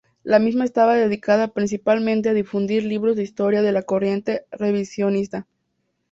La misma estaba dedicada principalmente a difundir libros de historia de la corriente revisionista.